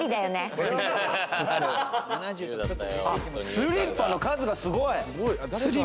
スリッパの数がすごい！